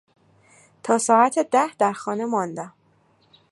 تا ساعت ده در خانه ماندم.